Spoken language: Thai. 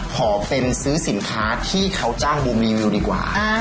ขอเป็นซื้อสินค้าที่เขาจ้างบูรีวิวดีกว่า